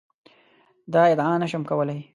دا ادعا نه شم کولای.